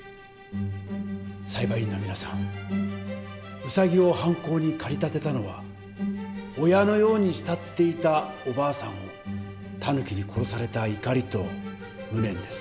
裁判員の皆さんウサギを犯行に駆り立てたのは親のように慕っていたおばあさんをタヌキに殺された怒りと無念です。